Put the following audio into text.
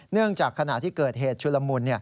เนื่องจากขณะที่เกิดเหตุชุลมุน